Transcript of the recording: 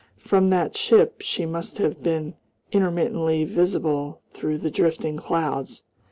From that ship she must have been intermittently visible through the drifting clouds.